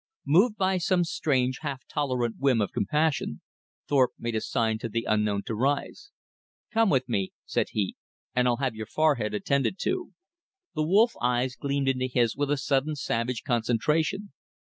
Moved by some strange, half tolerant whim of compassion, Thorpe made a sign to the unknown to rise. "Come with me," said he, "and I'll have your forehead attended to." The wolf eyes gleamed into his with a sudden savage concentration.